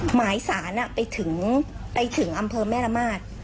หมายสารไปถึงอำเภอแม่ละมาท